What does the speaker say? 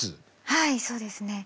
はいそうですね。